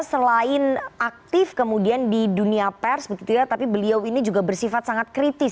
selain aktif kemudian di dunia pers begitu ya tapi beliau ini juga bersifat sangat kritis